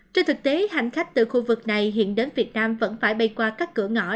trên thực tế hành khách từ khu vực này hiện đến việt nam vẫn phải bay qua các cửa ngõ